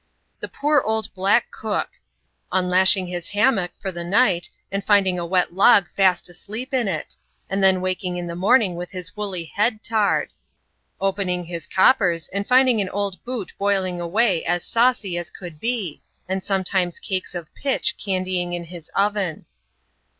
The poor old h\m^ cook ! Unlashing his hammock to the night, and finding a wet log fast asleep in it ; and Ihen waking in die morning with his woolly head tarred. Opening his cop pers, and finding an old boot boiling away as saucy as could be, and sometimes <»kes of pitch candying in his oven.